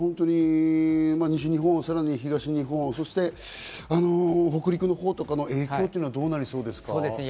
西日本、さらに東日本、そして北陸のほうとかの影響はどうなりそうですか？